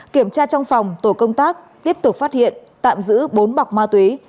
kiểm tra trong phòng tổ công tác tiếp tục phát hiện tạm giữ bốn bọc ma túy